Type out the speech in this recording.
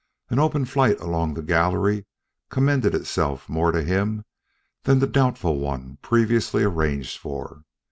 An open flight along the gallery commended itself more to him than the doubtful one previously arranged for.